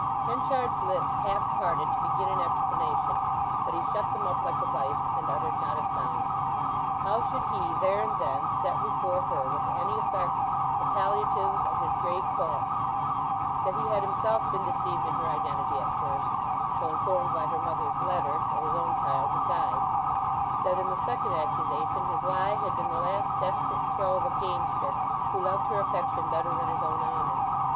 Henchard's lips half parted to begin an explanation. But he shut them up like a vice, and uttered not a sound. How should he, there and then, set before her with any effect the palliatives of his great faults—that he had himself been deceived in her identity at first, till informed by her mother's letter that his own child had died; that, in the second accusation, his lie had been the last desperate throw of a gamester who loved her affection better than his own honour?